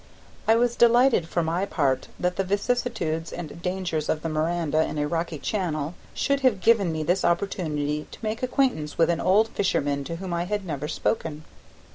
I was delighted, for my part, that the vicissitudes and dangers of the Miranda, in a rocky channel, should have given me this opportunity to make acquaintance with an old fisherman to whom I had never spoken.